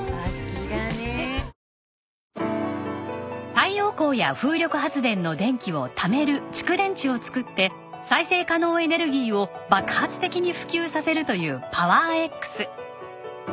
太陽光や風力発電の電気をためる蓄電池を作って再生可能エネルギーを爆発的に普及させるというパワーエックス。